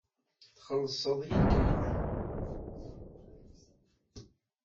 Txellṣeḍ yakan.